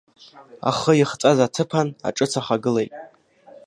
Ахы ихҵәаз аҭыԥан аҿыц ахагылеит.